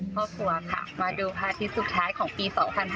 ครอบครัวค่ะมาดูพระอาทิตย์สุดท้ายของปี๒๕๕๙